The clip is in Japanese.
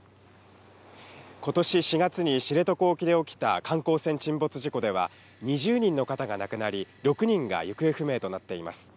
ことし４月に知床沖で起きた観光船沈没事故では、２０人の方が亡くなり、６人が行方不明となっています。